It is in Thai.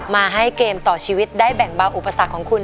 มาให้เกมต่อชีวิตได้แบ่งเบาอุปสรรคของคุณ